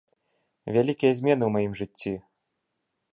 Вялікія змены ў маім жыцці!